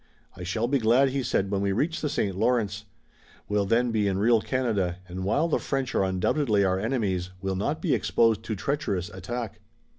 "I shall be glad," he said, "when we reach the St. Lawrence. We'll then be in real Canada, and, while the French are undoubtedly our enemies, we'll not be exposed to treacherous attack."